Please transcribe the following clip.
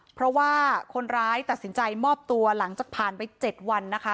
เพราะว่าคนร้ายตัดสินใจมอบตัวหลังจากผ่านไป๗วันนะคะ